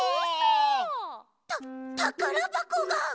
たたからばこが。